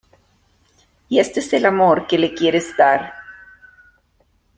¿ y este es el amor que le quieres dar?